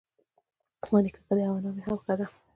زما نيکه ښه دی اؤ انا مي هم ښۀ دۀ